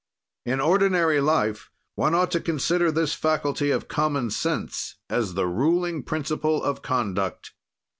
In ordinary life, one ought to consider this faculty of common sense as the ruling principle of conduct.